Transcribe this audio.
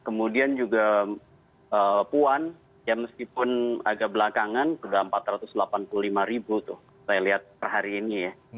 kemudian juga puan ya meskipun agak belakangan sudah empat ratus delapan puluh lima ribu tuh saya lihat per hari ini ya